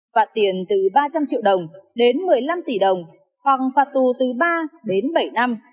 phạt tiền từ ba trăm linh triệu đồng đến một mươi năm tỷ đồng hoặc phạt tù từ ba đến bảy năm